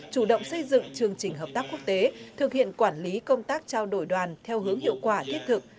chủ động xây dựng chương trình hợp tác quốc tế thực hiện quản lý công tác trao đổi đoàn theo hướng hiệu quả thiết thực